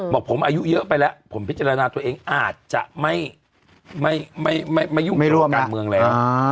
บอกผมอายุเยอะไปแล้วผมพิจารณาตัวเองอาจจะไม่ยุ่งการเมืองแล้ว